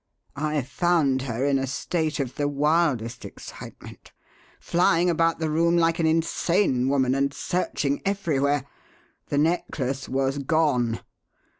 I found her in a state of the wildest excitement, flying about the room like an insane woman and searching everywhere. The necklace was gone!